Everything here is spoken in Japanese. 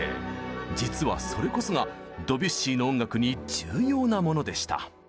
実はそれこそがドビュッシーの音楽に重要なものでした。